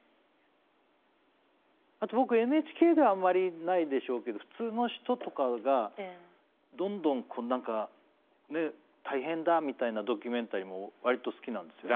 あと僕ＮＨＫではあんまりないでしょうけど普通の人とかがどんどん何か大変だみたいなドキュメンタリーも割と好きなんですよね。